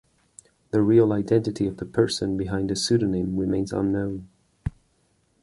The real identity of the person behind the pseudonym remains unknown.